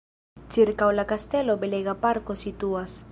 Ĉirkaŭ la kastelo belega parko situas.